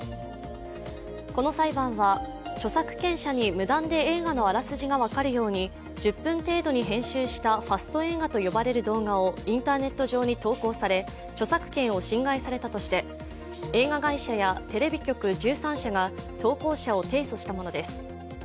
この裁判は著作権者に無断で映画のあらすじが分かるように、１０分程度に編集したファスト映画と呼ばれる動画をインターネット上に投稿され著作権を侵害されたとして映画会社テレビ局１３社が投稿者を提訴したものです。